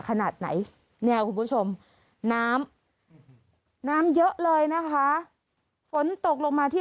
ขนาดไหนเนี่ยคุณผู้ชมน้ำน้ำเยอะเลยนะคะฝนตกลงมาที่